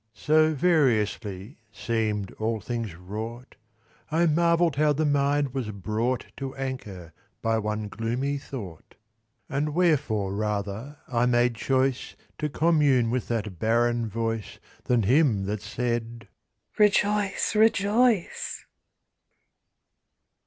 So variously seem'd all things wrought, I marvell'd how the mind was brought To anchor by one gloomy thought; And wherefore rather I made choice To commune with that barren voice, Than him that said, "Rejoice! rejoice!"